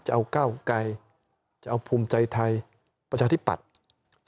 จะเอาเก้าไกรจะเอาภูมิใจไทยประชาธิปัตภ์